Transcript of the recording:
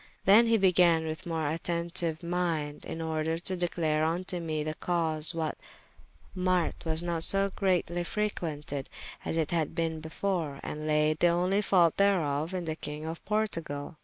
Then he began with more attentyue mynde, in order to declare vnto me the cause why that marte was not so greatly frequented as it had been before, and layde the only faulte thereof in the Kyng of Portugale.